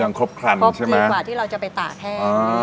ยังครบครันใช่ไหมครบกว่าที่เราจะไปต่าแทนอ๋อ